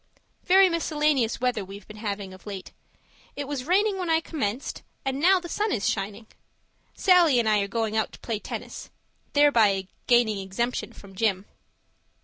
Very miscellaneous weather we're having of late. It was raining when I commenced and now the sun is shining. Sallie and I are going out to play tennis thereby gaining exemption from Gym.